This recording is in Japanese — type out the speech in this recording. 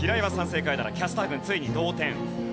正解ならキャスター軍ついに同点。